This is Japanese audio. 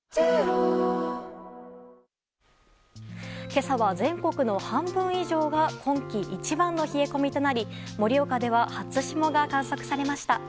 今朝は全国の半分以上が今季一番の冷え込みとなり盛岡では初霜が観測されました。